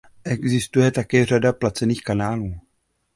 Existuje také řada placených kanálů.